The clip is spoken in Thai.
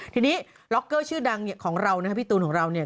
ทีนี้ล็อกเกอร์ชื่อดังของเรานะครับพี่ตูนของเราเนี่ย